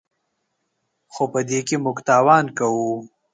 خو په دې کې موږ تاوان کوو.